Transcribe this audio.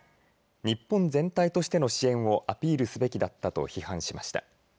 日本全体としての支援をアピールすべきだったと批判しました。